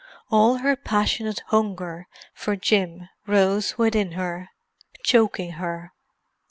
All her passionate hunger for Jim rose within her, choking her.